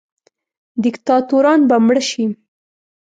دیکتاتوران به مړه سي.